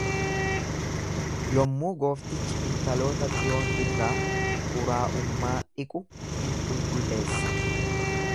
Yommuu gooftichi intaloota Xiyoon irraa xuraa'ummaa dhiqu in qulqulleessa.